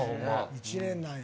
１年なんや。